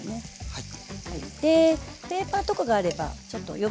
はい。